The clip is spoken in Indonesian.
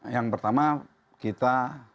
yang pertama kita